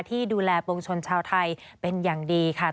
ที่ดูแลปวงชนชาวไทยเป็นอย่างดีค่ะ